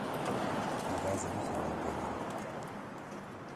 Pîvazê nexe nav donerê.